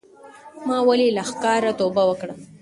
ما ولې له ښکاره توبه وکړه